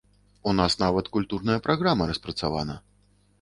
У нас нават культурная праграма распрацавана.